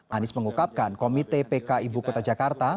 anies mengungkapkan komite pk ibu kota jakarta